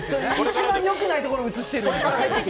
一番良くないところを映してる。